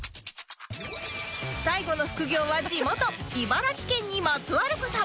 最後の副業は地元茨城県にまつわる事